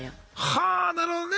はあなるほどね！